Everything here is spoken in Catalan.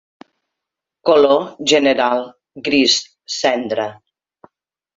Color general gris cendra.